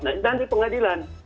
nah ini nanti di pengadilan